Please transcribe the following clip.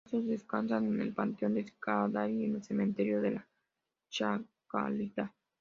Sus restos descansan en el panteón de Sadaic en el Cementerio de la Chacarita.